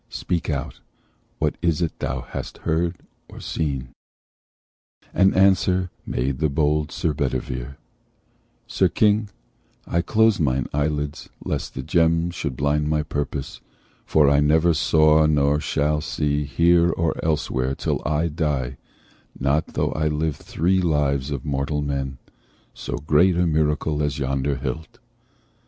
Speak out: what is it thou hast heard, or seen?" And answer made the bold Sir Bedivere: "Sir King, I closed mine eyelids, lest the gems Should blind my purpose, for I never saw, Nor shall see, here or elsewhere, till I die, Not though I live three lives of mortal men, So great a miracle as yonder hilt.